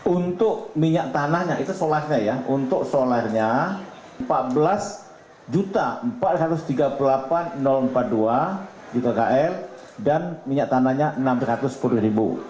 untuk minyak tanahnya itu solarnya ya untuk solarnya rp empat belas empat ratus tiga puluh delapan empat puluh dua juta kl dan minyak tanahnya rp enam ratus sepuluh